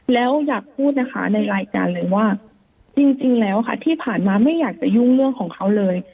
แล้วอยากพูดนะคะในรายการเลยว่าจริงแล้วค่ะที่ผ่านมาไม่อยากจะยุ่งเรื่องของเขาเลย